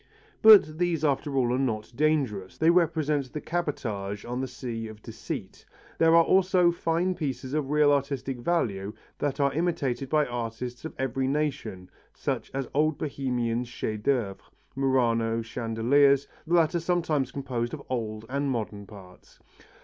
But these after all are not dangerous, they represent the cabotage on the sea of deceit; there are also fine pieces of real artistic value that are imitated by artists of every nation such as old Bohemian chefs d'œuvre, Murano chandeliers, the latter sometimes composed of old and modern parts.